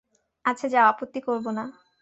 আচ্ছা, যাও, আপত্তি করব না।